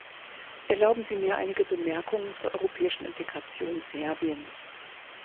Erlauben Sie mir einige Bemerkungen zur europäischen Integration Serbiens.